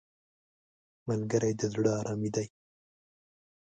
ملګری د زړه آرامي دی